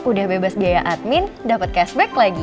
udah bebas biaya admin dapat cashback lagi